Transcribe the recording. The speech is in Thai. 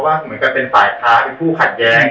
เพราะว่าเป็นฝ่ายปลาผู้ขัดแย้ง